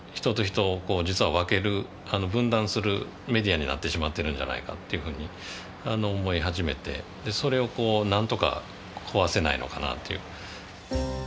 人と人を実は分ける分断するメディアになってしまってるんじゃないかっていうふうに思い始めてそれをなんとか壊せないのかなっていう。